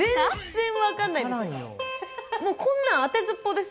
全然分かんないです。